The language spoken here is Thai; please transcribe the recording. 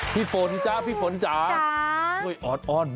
พี่ฝนจ้ะพี่ฝนจ้าฮึฮุจ้า